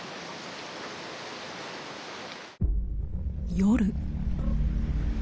夜。